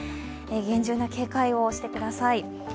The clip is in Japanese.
厳重な警戒をしてください。